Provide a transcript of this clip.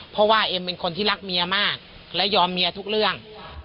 เพราะว่าเอ็มเป็นคนที่รักเมียมากและยอมเมียทุกเรื่อง